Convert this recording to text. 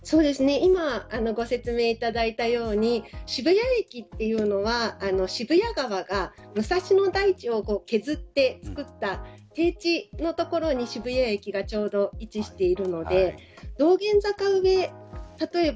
今、ご説明いただいたように渋谷駅というのは渋谷川が武蔵野台地を削って作った低地の所に渋谷駅がちょうど位置しているので道玄坂上例えば